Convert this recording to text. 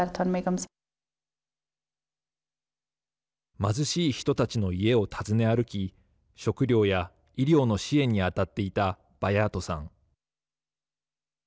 貧しい人たちの家を訪ね歩き食料や医療の支援に当たっていたバヤートさん。